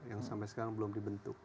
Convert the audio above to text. yang sampai sekarang belum dibentuk